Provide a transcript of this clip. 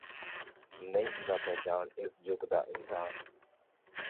ਨਹੀਂ ਹੁੰਦਾ ਪਹਿਚਾਨ ਇਸ ਯੁਗ ਦਾ ਇਨਸਾਨ